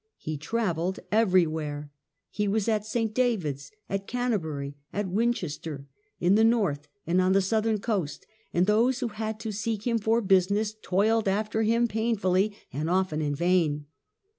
He travelled everywhere. He was at S. David's, at Canterbury, at Winchester, in the North, and on the Southern coast, and those who had to seek him for business toiled after him painfully, and often in vain.